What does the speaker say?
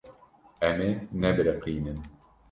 Em ê nebiriqînin.